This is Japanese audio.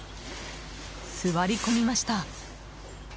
座り込みました。